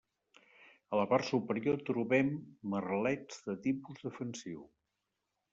A la part superior trobem merlets de tipus defensiu.